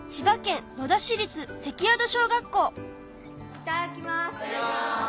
いただきます！